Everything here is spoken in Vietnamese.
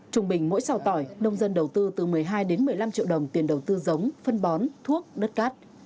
trung bình mỗi xào tỏi nông dân đầu tư từ một mươi hai đến một mươi năm triệu đồng tiền đầu tư giống phân bón thuốc đất cát